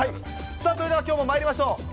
さあ、それではきょうもまいりましょう。